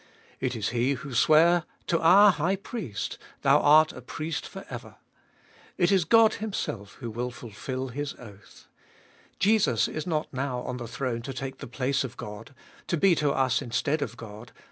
It is He who sware to our High Priest — Thou art a Priest for ever. It is God Himself who will fulfil His oath. Jesus is not now on the throne to take the place of God, to be to us instead of God.